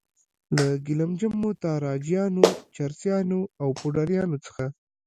له ګیلم جمو، تاراجیانو، چرسیانو او پوډریانو څخه.